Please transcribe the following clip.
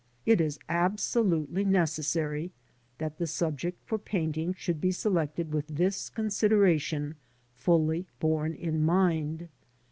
It is absolutely neces sary that the subject for painting should be selected with this consideration fully borne in mind.